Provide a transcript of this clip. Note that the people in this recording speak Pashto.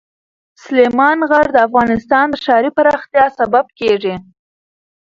سلیمان غر د افغانستان د ښاري پراختیا سبب کېږي.